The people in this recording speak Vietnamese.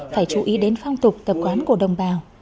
phải chú ý đến phong tục tập quán của đồng bào